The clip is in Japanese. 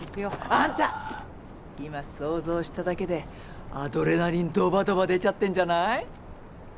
あんた今想像しただけでアドレナリンどばどば出ちゃってんじゃない？